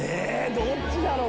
どっちだろう？